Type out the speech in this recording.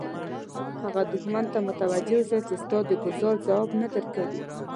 هغه دښمن ته متوجه اوسه چې ستا د ګوزار ځواب نه درکوي.